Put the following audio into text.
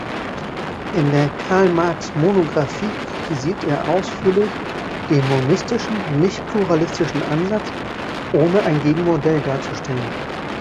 In der Karl-Marx-Monographie kritisiert er ausführlich den monistischen nicht-pluralistischen Ansatz, ohne ein Gegenmodell darzustellen.